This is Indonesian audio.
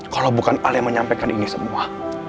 kalau bukan hal yang menyampaikan ini semua